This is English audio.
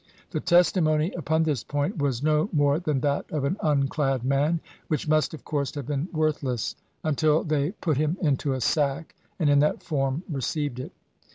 The testimony upon this point was no more than that of an unclad man, which must of course have been worthless; until they put him into a sack, and in that form received it.